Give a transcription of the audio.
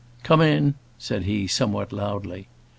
"Come in," said he, somewhat loudly.